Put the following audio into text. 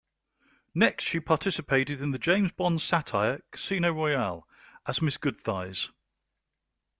Next, she participated in the James Bond satire, "Casino Royale", as Miss Goodthighs.